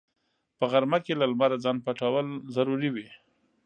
په غرمه کې له لمره ځان پټول ضروري وي